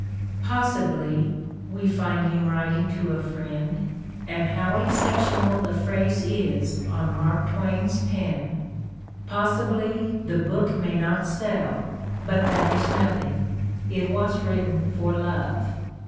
"Possibly," we find him writing to a friend, and how exceptional the phrase is on Mark Twain's pen! — "possibly the book may not sell, but that is nothing — it was written for love."